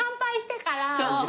そう！